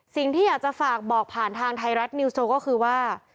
สิ่งที่อยากจะฝากบอกผ่านทางไทยรัฐนิวสโชว์ก็คือว่า